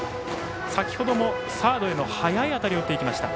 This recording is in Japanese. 先ほどもサードへの速い当たりを打っていきました。